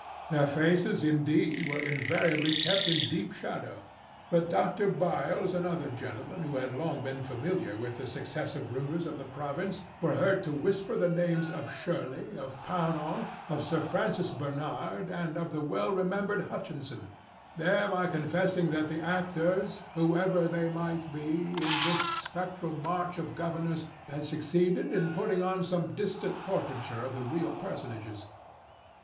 Their faces, indeed, were invariably kept in deep shadow, but Dr. Byles and other gentlemen who had long been familiar with the successive rulers of the province were heard to whisper the names of Shirley, of Pownall, of Sir Francis Bernard and of the well remembered Hutchinson, thereby confessing that the actors, whoever they might be, in this spectral march of governors had succeeded in putting on some distant portraiture of the real personages.